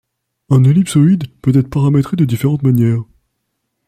Un ellipsoïde peut être paramétré de différentes manières.